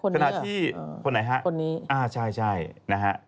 คนนี้อ่ะคนไหนฮะคนนี้อ่าใช่นะฮะ